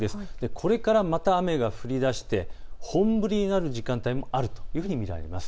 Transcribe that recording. これからまた雨が降りだして本降りになる時間帯もあるというふうに見られます。